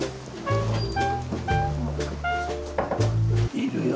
いるよ